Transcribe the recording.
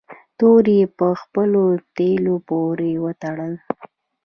توره یې په خپلو تلو پورې و تړله.